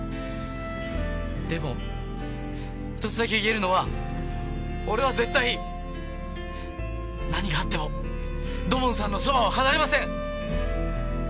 でも１つだけ言えるのは俺は絶対何があっても土門さんのそばを離れません！